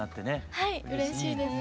はいうれしいですね。